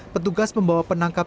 petugas membawa penangkap